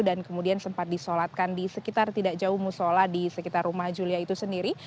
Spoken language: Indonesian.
dan kemudian sempat disolatkan di sekitar tidak jauh musola di sekitar rumah julia itu sendiri